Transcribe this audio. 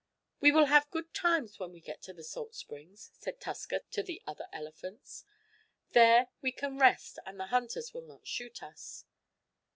"We will have good times when we get to the salt springs," said Tusker to the other elephants. "There we can rest, and the hunters will not shoot us."